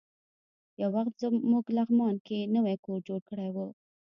یو وخت موږ لغمان کې نوی کور جوړ کړی و.